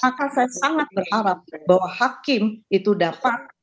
maka saya sangat berharap bahwa hakim itu dapat